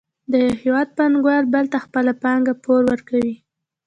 د یو هېواد پانګوال بل ته خپله پانګه پور ورکوي